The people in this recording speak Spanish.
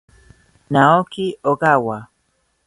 Naoki Ogawa